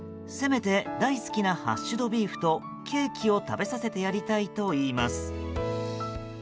せめて大好きなハッシュドビーフとケーキを食べさせてやりたいといいます。